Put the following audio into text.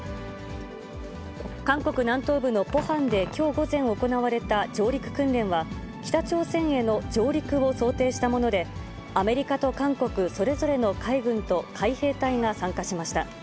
韓国南東部のポハンできょう午前行われた上陸訓練は、北朝鮮への上陸を想定したもので、アメリカと韓国、それぞれの海軍と海兵隊が参加しました。